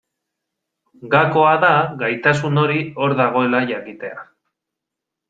Gakoa da gaitasun hori hor dagoela jakitea.